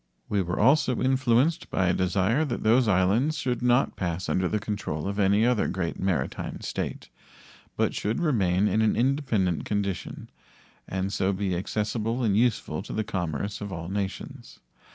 We were also influenced by a desire that those islands should not pass under the control of any other great maritime state, but should remain in an independent condition, and so be accessible and useful to the commerce of all nations.